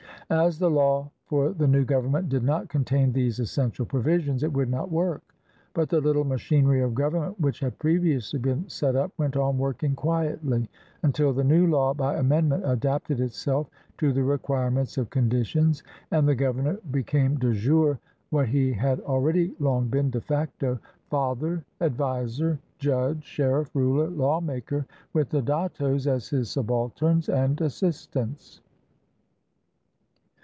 As the law for the new government did not contain these essential provisions, it would not work; but the little machinery of govern ment which had previously been set up went on working quietly, until the new law by amendment adapted itself to the requirements of conditions, and the governor be came dejure what he had already long been de facto, — father, adviser, judge, sheriff, ruler, lawmaker, with the dattos as his subalterns and assistants.